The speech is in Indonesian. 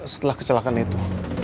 setelah kecelakaan itu